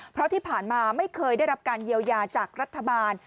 เพราะที่ผ่านมาไม่เคยได้รับการเยียวยาจากรัฐบาล